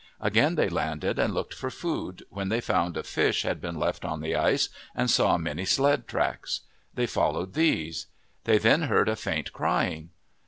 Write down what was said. Again they landed and looked for food, when they found a fish had been left on the ice, and saw many sled tracks. They followed these. They then heard a faint cry ing.